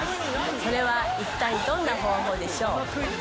それは一体どんな方法でしょう？